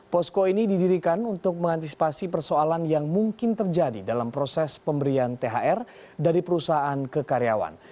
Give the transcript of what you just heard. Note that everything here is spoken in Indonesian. posko ini didirikan untuk mengantisipasi persoalan yang mungkin terjadi dalam proses pemberian thr dari perusahaan ke karyawan